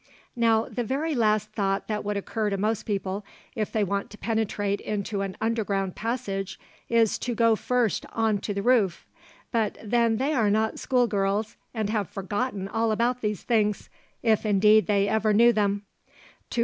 Now, the very last thought that would occur to most people, if they want to penetrate into an underground passage, is to go first on to the roof; but then they are not school girls, and have forgotten all about these things, if, indeed, they ever knew them.